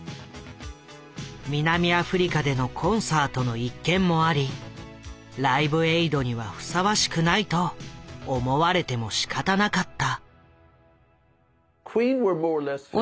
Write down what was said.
南アフリカでのコンサートの一件もあり「ライブエイド」にはふさわしくないと思われてもしかたなかった。